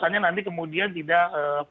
nanti kemudian tidak